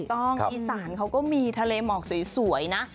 อีสานเขาก็มีทะเลหมอกสวยนะ